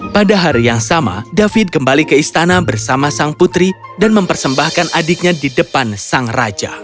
pada hari yang sama david kembali ke istana bersama sang putri dan mempersembahkan adiknya di depan sang raja